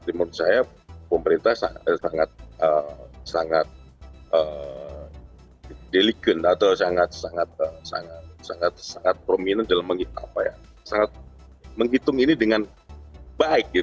menurut saya pemerintah sangat deligen atau sangat prominent dalam menghitung ini dengan baik